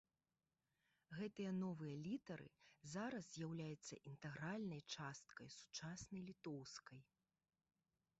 Гэтыя новыя літары зараз з'яўляюцца інтэгральнай часткай сучаснай літоўскай.